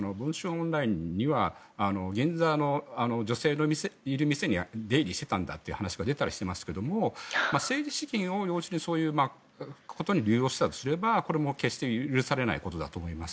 オンラインには銀座の女性のいる店に出入りしていたんだという話が出たりしていましたが政治資金をそういうことに流用していたとすればこれも決して許されないことだと思います。